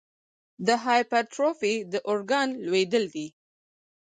د هایپرټروفي د ارګان لویېدل دي.